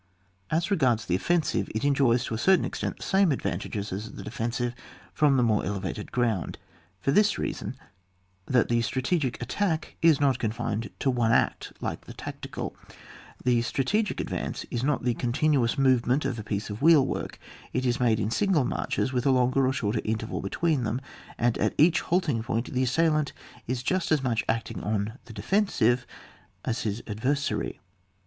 As regards the offensive, it enjoys to a certain extent the same advantages as the defensive from the more elevated ground ; for this reason that the stra getic attack is not confined to one act like the tactical The strategic advance is not the continuous movement of a piece of wheehvork ; it is made in single marches with a longer or shorter interval between them, and at each halting point the assailant is just as much acting on the defensive as his adversary.